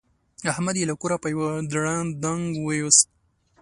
احمد يې له کوره په يوه دړدنګ ویوست.